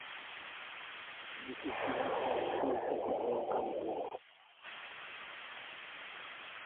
This is done for the sake of the whole country.